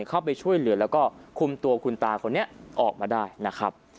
เข้าไปช่วยเหลือแล้วก็คุมตัวคุณตาคนนี้ออกมาได้นะครับ